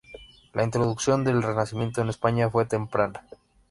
La introducción del renacimiento en España fue temprana.